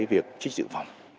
cái việc trích dự phòng